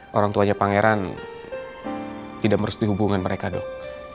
oh orang tuanya pangeran tidak mesti hubungan mereka dok